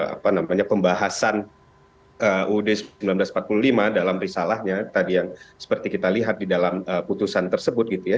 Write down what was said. apa namanya pembahasan uud seribu sembilan ratus empat puluh lima dalam risalahnya tadi yang seperti kita lihat di dalam putusan tersebut gitu ya